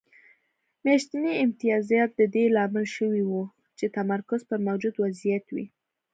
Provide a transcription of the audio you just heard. میاشتني امتیازات د دې لامل شوي وو چې تمرکز پر موجود وضعیت وي